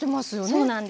そうなんです。